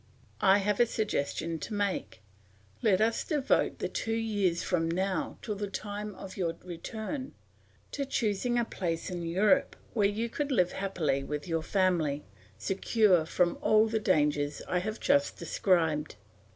I have a suggestion to make; let us devote the two years from now till the time of your return to choosing a place in Europe where you could live happily with your family, secure from all the dangers I have just described.